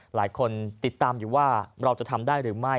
หลายคนติดตามอยู่ว่าเราจะทำได้หรือไม่